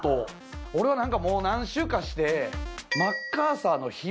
俺は何かもう何周かして。